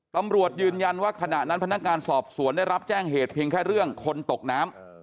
ตำรวจยืนยันว่าขณะนั้นพนักงานสอบสวนได้รับแจ้งเหตุเพียงแค่เรื่องคนตกน้ำ